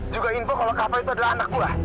juga info kalau kapel itu adalah anak gue